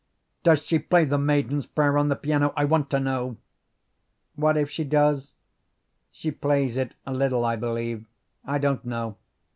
Does she play 'The Maiden's Prayer' on the piano? I want to know." "What if she does? She plays it a little, I believe. I don't know.